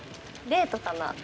デートかな？